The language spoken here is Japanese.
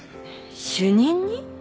主任に？